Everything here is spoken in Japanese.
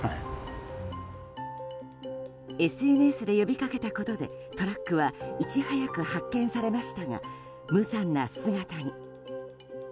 ＳＮＳで呼びかけたことでトラックはいち早く発見されましたが無残な姿に。